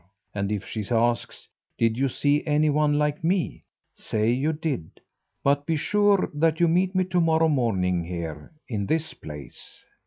And if she asks, 'Did you see any one like me,' say you did, but be sure that you meet me to morrow morning here, in this place."